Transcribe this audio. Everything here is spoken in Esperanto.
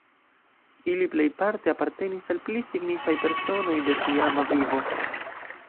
Ili plejparte apartenis al pli signifaj personoj de tiama vivo.